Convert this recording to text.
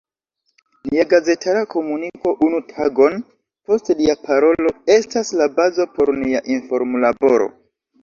Nia gazetara komuniko unu tagon post lia parolo estas la bazo por nia informlaboro.